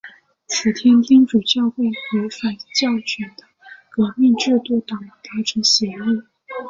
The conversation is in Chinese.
此前天主教会与反教权的革命制度党达成协议。